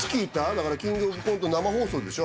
だからキングオブコント生放送でしょ？